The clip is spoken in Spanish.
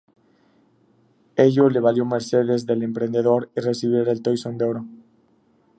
Ello le valió mercedes del Emperador y recibir el Toisón de Oro.